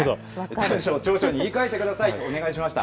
短所を長所に言いかえてくださいとお願いしました。